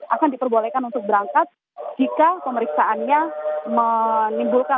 akan diperbolehkan untuk berangkat jika pemeriksaannya